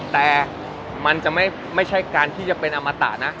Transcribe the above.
แต่มันจะไม่ใช่การที่จะเป็นอมตะนะ